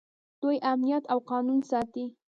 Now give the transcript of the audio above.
دوی امنیت او قانون ساتي.